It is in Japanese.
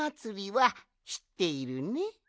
はしっているね？